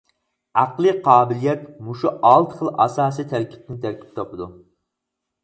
ئەقلىي قابىلىيەت مۇشۇ ئالتە خىل ئاساسىي تەركىبتىن تەركىب تاپىدۇ.